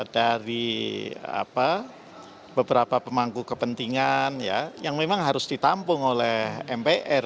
dari beberapa pemangku kepentingan yang memang harus ditampung oleh mpr